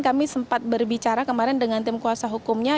kami sempat berbicara kemarin dengan tim kuasa hukumnya